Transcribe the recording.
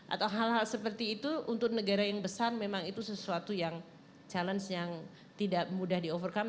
atau hal hal seperti itu untuk negara yang besar memang itu sesuatu yang challenge yang tidak mudah di overcome